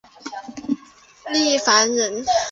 郦范人。